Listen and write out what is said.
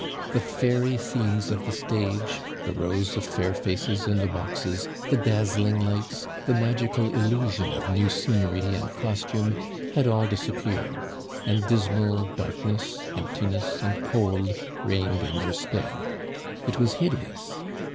The fairy scenes of the stage, the rows of fair faces in the boxes, the dazzling lights, the magical illusion of new scenery and costume had all disappeared, and dismal darkness, emptiness, and cold reigned in their stead. It was hideous.